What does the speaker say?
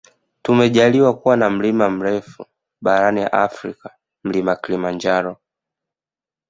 Tumejaliwa kuwa na mlima mrefu barani afrika mlima kilimanjaro